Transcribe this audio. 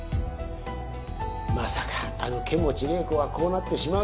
まさかあの剣持麗子がこうなってしまうとは。